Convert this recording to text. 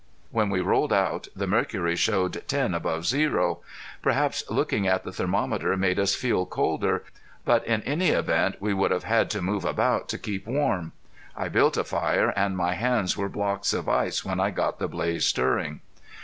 When we rolled out the mercury showed ten above zero. Perhaps looking at the thermometer made us feel colder, but in any event we would have had to move about to keep warm. I built a fire and my hands were blocks of ice when I got the blaze stirring.